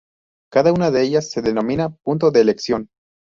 Cada una de ellas se denomina "punto de elección".